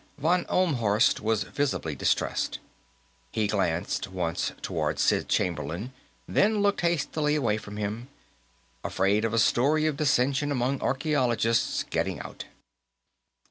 Von Ohlmhorst was visibly distressed; he glanced once toward Sid Chamberlain, then looked hastily away from him. Afraid of a story of dissension among archaeologists getting out.